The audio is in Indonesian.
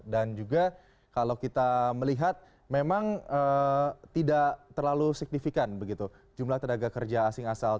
dan juga kalau kita melihat memang tidak terlalu signifikan begitu jumlah tenaga kerja asing asal